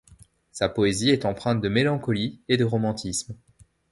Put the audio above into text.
Sa poésie est emprunte de mélancolie et de romantisme.